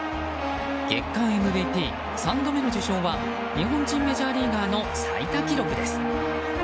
月間ＭＶＰ３度目の受賞は日本人メジャーリーガーの最多記録です。